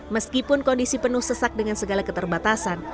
meskipun kondisi penuh sesak dengan segala keterbatasan